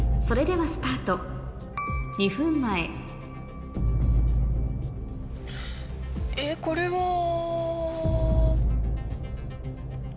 それではスタート２分前えっこれは。